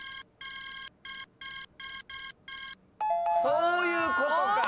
そういうことか！